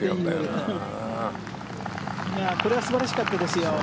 これは素晴らしかったですよ。